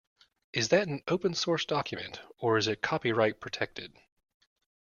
Is that an open source document, or is it copyright-protected?